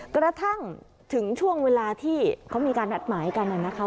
กระทั่งถึงช่วงเวลาที่เขามีการนัดหมายกันนะคะ